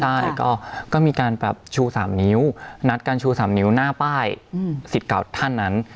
ใช่ก็มีการแบบชู๓นิ้วนัดการชู๓นิ้วหน้าป้ายสิทธิ์เก่าท่านนั้น